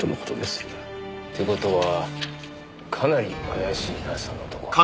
って事はかなり怪しいなその男。